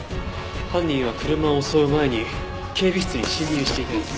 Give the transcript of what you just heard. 犯人は車を襲う前に警備室に侵入していたようです。